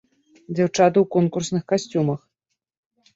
Дзяўчаты ў конкурсных касцюмах.